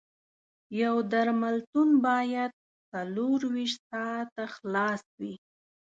یو درملتون باید څلور ویشت ساعته خلاص وي